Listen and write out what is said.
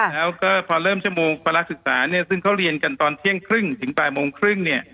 แล้วก็พอเริ่มชั่วโมงภาระศึกษาเนี่ยซึ่งเขาเรียนกันตอนเที่ยงครึ่งถึงบ่ายโมงครึ่งเนี่ย